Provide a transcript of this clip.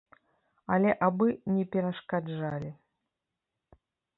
Але абы не перашкаджалі.